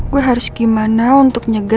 gue harus gimana untuk nyegah